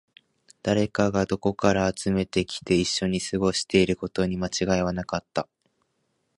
誰かがどこからか集めてきて、一緒に過ごしていることに間違いはなかった